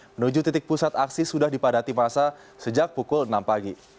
menuju titik pusat aksi sudah dipadati masa sejak pukul enam pagi